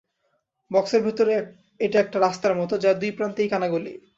বক্সের ভেতর, এটা একটা রাস্তার মতো, যার দুই প্রান্তেই কানাগলি।